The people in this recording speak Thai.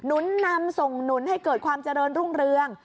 นุนนำส่งหนุนให้เกิดความเจริญรุ่งเรือง